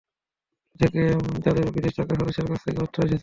এগুলো থেকে এবং তাদের বিদেশে থাকা সদস্যের কাছ থেকেও অর্থ এসেছে।